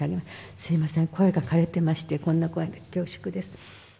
すみません、声がかれてまして、こんな声で恐縮です。